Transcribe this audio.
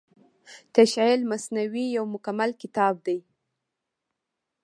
تشعيل المثنوي يو مکمل کتاب دی